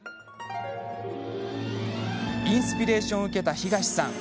インスピレーションを受けた東さん。